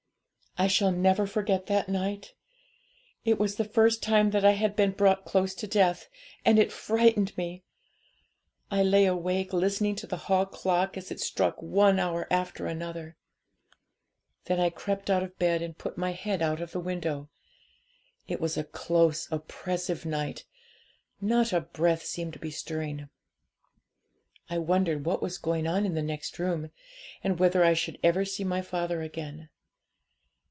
'I shall never forget that night. It was the first time that I had been brought close to death, and it frightened me. I lay awake, listening to the hall clock as it struck one hour after another. Then I crept out of bed, and put my head out of the window. It was a close, oppressive night, not a breath seemed to be stirring. I wondered what was going on in the next room, and whether I should ever see my father again.